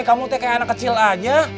kamu tuh kayak anak kecil aja